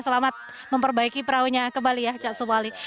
selamat memperbaiki perawannya kembali ya cak sumali